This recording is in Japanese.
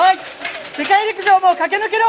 世界陸上も駆け抜けろ！